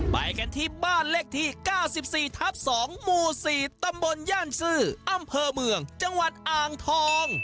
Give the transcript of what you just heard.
ไปกันที่บ้านเลขที่๙๔ทับ๒หมู่๔ตำบลย่านซื้ออำเภอเมืองจังหวัดอ่างทอง